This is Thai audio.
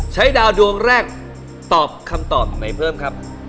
ดาวดวงแรกตอบคำตอบไหนเพิ่มครับ